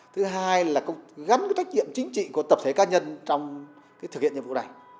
thứ hai là gắn với trách nhiệm chính trị của tập thể cá nhân trong thực hiện nhiệm vụ này